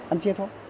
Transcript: ăn chia thôi